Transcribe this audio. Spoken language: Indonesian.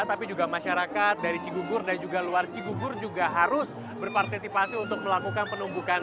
tapi juga masyarakat dari cigugur dan juga luar cigugur juga harus berpartisipasi untuk melakukan penumbukan